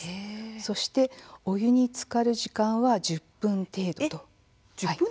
さらにお湯につかる時間は１０分程度。